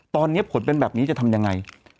ตอนนี้ผลเป็นแบบนี้จะทำยังไง